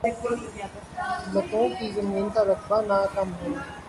لکوں کی زمین کا رقبہ نہ کم ہو